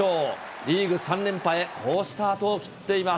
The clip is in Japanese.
リーグ３連覇へ好スタートを切っています。